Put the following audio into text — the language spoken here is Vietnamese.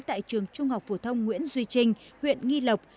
tại trường trung học phổ thông nguyễn duy trinh huyện nghi lộc